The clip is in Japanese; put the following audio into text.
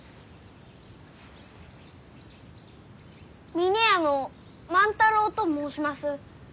峰屋の万太郎と申します。